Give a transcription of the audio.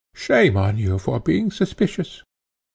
Shame on you for being suspicious!